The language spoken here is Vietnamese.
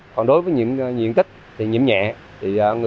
cộng với nhiều diện tích bị bệnh dẹp sáp nặng